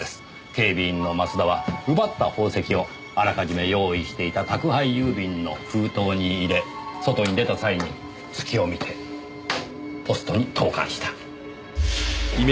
警備員の増田は奪った宝石をあらかじめ用意していた宅配郵便の封筒に入れ外に出た際に隙を見てポストに投函した。